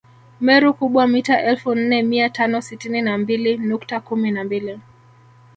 Meru Kubwa mita elfu nne mia tano sitini na mbili nukta kumi na mbili